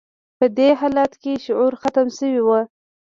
په دې حالت کې شعور ختم شوی و